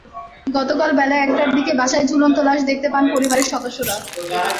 গতকাল বেলা একটার দিকে বাসায় ঝুলন্ত লাশ দেখতে পান পরিবারের সদস্যরা।